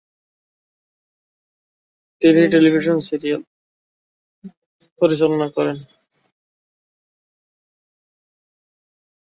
তিনি television serial Tomay Amay Mile পরিচালনা করছেন।